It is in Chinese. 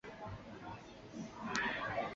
该站内亦设紧急车辆通道。